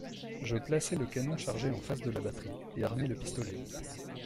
Je plaçai le canon chargé en face de la batterie, et armai le pistolet.